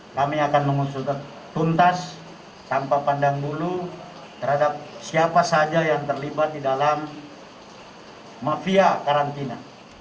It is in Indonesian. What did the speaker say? kami akan mengusulkan tuntas tanpa pandang bulu terhadap siapa saja yang terlibat di dalam mafia karantina